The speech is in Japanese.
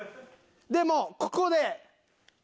でもここで。